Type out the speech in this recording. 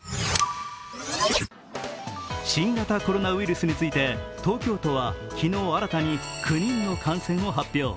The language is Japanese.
新型コロナウイルスについて東京都は昨日新たに９人の感染を発表。